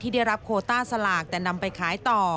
ได้รับโคต้าสลากแต่นำไปขายต่อ